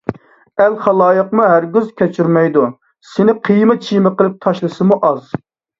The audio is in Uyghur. ئەل - خالايىقمۇ ھەرگىز كەچۈرمەيدۇ! سېنى قىيما - چىيما قىلىپ تاشلىسىمۇ ئاز!